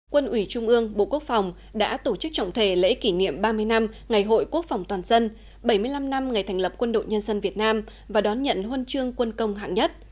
quân ủy trung ương bộ quốc phòng đã tổ chức trọng thể lễ kỷ niệm ba mươi năm ngày hội quốc phòng toàn dân bảy mươi năm năm ngày thành lập quân đội nhân dân việt nam và đón nhận huân chương quân công hạng nhất